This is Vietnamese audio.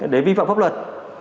để vi phạm pháp luật